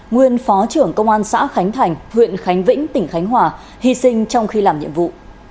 nguyên phó trưởng công an xã khánh thành huyện khánh vĩnh tỉnh khánh hòa hy sinh trong khi làm nhiệm vụ